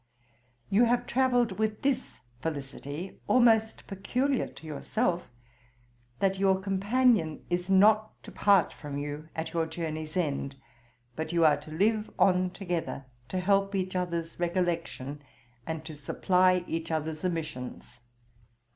You have travelled with this felicity, almost peculiar to yourself, that your companion is not to part from you at your journey's end; but you are to live on together, to help each other's recollection, and to supply each other's omissions.